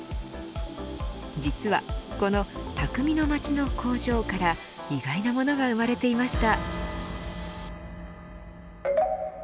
実はこの匠の町の工場から意外なものが生まれていました。